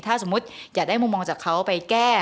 ถ้าสมมุติอยากได้มุมมองจากเขาไปแก้